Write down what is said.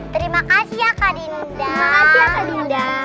terima kasih ya kak dindasa dinda